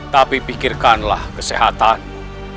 tapi pikirkanlah kesehatanmu